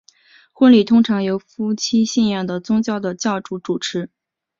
婚礼通常由夫妻信仰的宗教的教士主持。